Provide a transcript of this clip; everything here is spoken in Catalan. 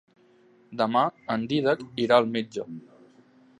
Demà en Dídac irà al metge.